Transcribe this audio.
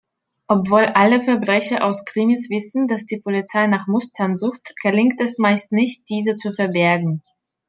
Obwohl alle Verbrecher aus Krimis wissen, dass die Polizei nach Mustern sucht, gelingt es meist nicht, diese zu verbergen.